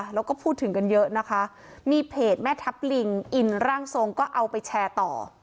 แล้วก็พูดถึงกันเยอะนะคะมีเพจแม่ทัพลิงอินร่างทรงก็เอาไปแชร์ต่อ